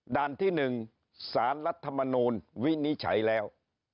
ด่านที่หนึ่งสารรัฐมนูลวินิจฉัยแล้ว